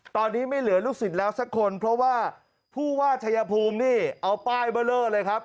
ตอนนี้ไม่เหลือลูกศิษย์แล้วสักคนเพราะว่าผู้ว่าชายภูมินี่เอาป้ายเบอร์เลอร์เลยครับ